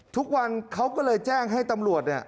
ทุกวันเขาก็เลยแจ้งให้ตำรวจเนี่ย